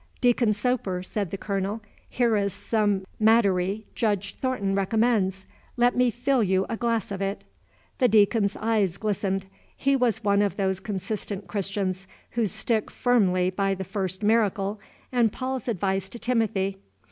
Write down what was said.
"Deacon Soper," said the Colonel, "here is some Madary Judge Thornton recommends. Let me fill you a glass of it." The Deacon's eyes glistened. He was one of those consistent Christians who stick firmly by the first miracle and Paul's advice to Timothy.